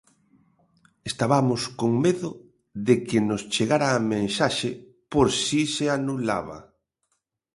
Estabamos con medo de que nos chegara a mensaxe, por si se anulaba...